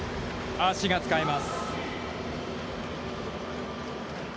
足が使えます。